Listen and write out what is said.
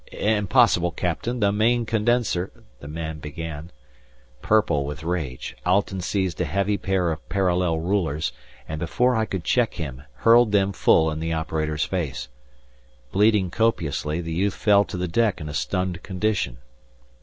"Impossible, Captain, the main condenser " the man began. Purple with rage, Alten seized a heavy pair of parallel rulers, and before I could check him hurled them full in the operator's face. Bleeding copiously, the youth fell to the deck in a stunned condition.